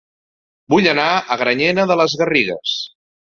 Vull anar a Granyena de les Garrigues